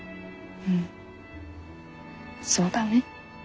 うんそうだね。